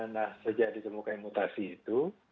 nah sejak ditemukan mutasi itu